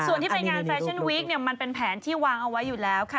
ส่วนที่ไปงานแฟชั่นวีคเนี่ยมันเป็นแผนที่วางเอาไว้อยู่แล้วค่ะ